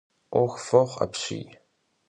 'Uexu f'oxhu apşyy!